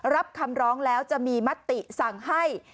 รับคำร้องแล้วจะมีมติสั่งให้